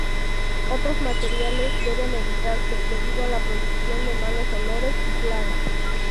Otros materiales deben evitarse, debido a la producción de malos olores y plagas.